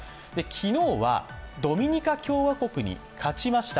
昨日はドミニカ共和国に勝ちました。